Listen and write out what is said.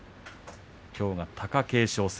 きょうが貴景勝戦。